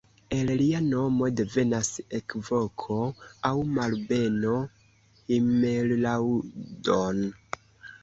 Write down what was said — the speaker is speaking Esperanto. El lia nomo devenas ekvoko aŭ malbeno "himmellaudon!